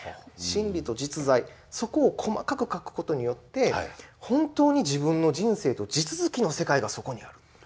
心理と実在そこを細かく描くことによって本当に自分の人生と地続きの世界がそこにある。